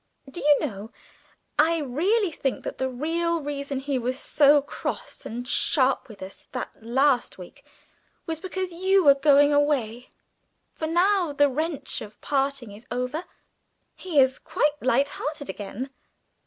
"Do you know, I really think that the real reason he was so cross and sharp with us that last week was because you were going away; for now the wrench of parting is over, he is quite light hearted again.